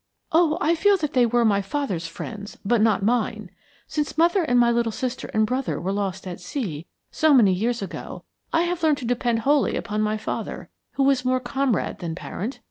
"Oh, I feel that they were my father's friends, but not mine. Since mother and my little sister and brother were lost at sea, so many years ago, I have learned to depend wholly upon my father, who was more comrade than parent.